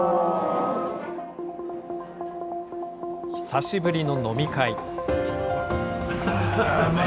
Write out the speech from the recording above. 久しぶりの飲み会。